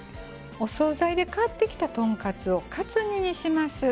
お総菜で買ってきた豚カツをカツ煮にします。